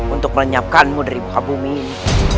untuk menyapkanmu dari buka bumi ini